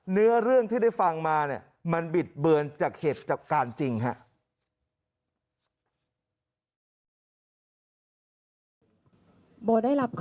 เนื้อเรื่องที่ได้ฟังมาเนี่ยมันบิดเบือนจากเหตุจากการจริงครับ